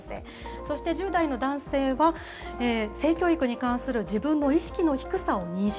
そして１０代の男性は、性教育に関する自分の意識の低さを認識。